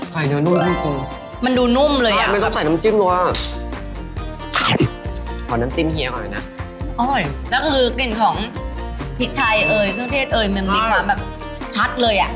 กลิ่นของพริกไทยแซงเทศมันมีความแบบชัดเลยอ่ะ